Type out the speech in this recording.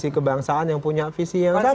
koalisi kebangsaan yang punya visi yang sama